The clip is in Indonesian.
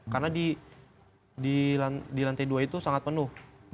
karena di lantai dua itu sangat penuh